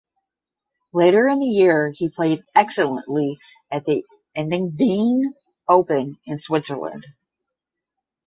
Later in the year he played excellently at the Engadine Open in Switzerland.